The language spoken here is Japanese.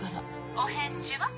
お返事は？